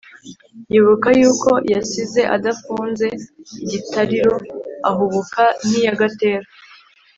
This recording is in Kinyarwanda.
yibuka yuko yasize adafunze igitariro, ahubuka nk'iya gatera,